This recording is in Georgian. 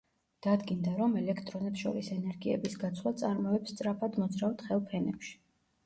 დადგინდა, რომ ელექტრონებს შორის ენერგიების გაცვლა წარმოებს სწრაფად მოძრავ თხელ ფენებში.